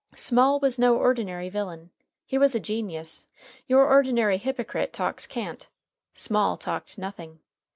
Small was no ordinary villain. He was a genius. Your ordinary hypocrite talks cant. Small talked nothing.